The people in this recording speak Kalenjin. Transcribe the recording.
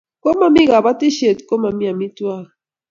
ko mami kabetishiet ko mami amitwangik